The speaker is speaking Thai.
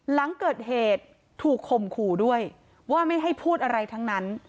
หลังเกิดเหตุถูกข่มขู่ด้วยว่าไม่ให้พูดอะไรทั้งนั้น